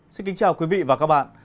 xin kính chào quý vị và các bạn